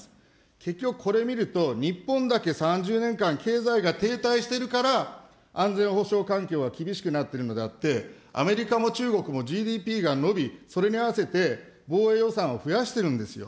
結局、これ見ると、日本だけ３０年間、経済が停滞しているから安全保障環境が厳しくなってるのであって、アメリカも中国もＧＤＰが伸び、それに合わせて防衛予算を増やしてるんですよ。